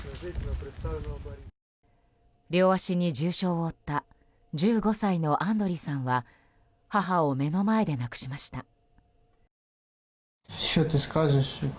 両足に重傷を負った１５歳のアンドリーさんは母を目の前で亡くしました。